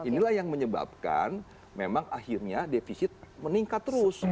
inilah yang menyebabkan memang akhirnya defisit meningkat terus